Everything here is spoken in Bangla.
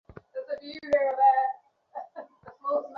তিনি তার লেখাতেও নানা ভাবে টেনে এনেছেন।